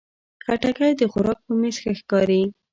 خټکی د خوراک په میز ښه ښکاري.